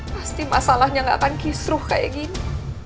pasti masalahnya nggak tanki seruh kayak gini